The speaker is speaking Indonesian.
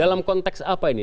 dalam konteks apa ini